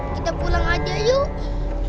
kita pulang aja yuk